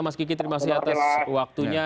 mas kiki terima kasih atas waktunya